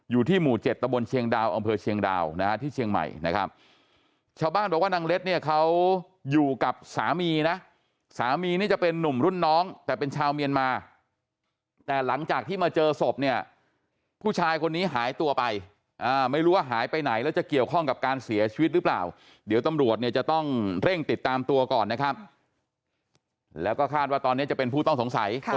อยู่ที่หมู่๗ตะบลเชียงดาวน์องค์เผอร์เชียงดาวน์นะฮะที่เชียงใหม่นะครับชาวบ้านบอกว่านางเล็ดเนี่ยเขาอยู่กับสามีนะสามีนี่จะเป็นนุ่มรุ่นน้องแต่เป็นชาวเมียนมาแต่หลังจากที่มาเจอสบเนี่ยผู้ชายคนนี้หายตัวไปไม่รู้ว่าหายไปไหนแล้วจะเกี่ยวข้องกับการเสียชีวิตหรือเปล่าเดี๋ยวตำรวจเนี่ยจะต้องเร่ง